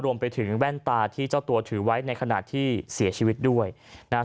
รวมไปถึงแว่นตาที่เจ้าตัวถือไว้ในขณะที่เสียชีวิตด้วยนะฮะ